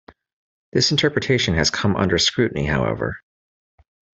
This interpretation has come under scrutiny, however.